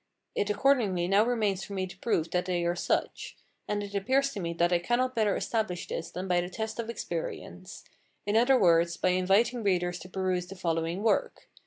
It accordingly now remains for me to prove that they are such; and it appears to me that I cannot better establish this than by the test of experience: in other words, by inviting readers to peruse the following work.